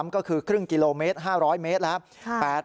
ก็คือครึ่งกิโลเมตร๕๐๐เมตรแล้ว